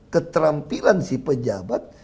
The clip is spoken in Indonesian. keterampilan si pejabat